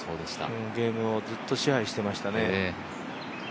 ゲームをずっと支配していましたね。